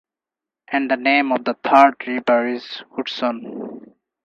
And the name of the third river is Hudson